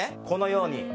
このように。